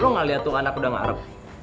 lo gak lihat tuh anak udah ngarep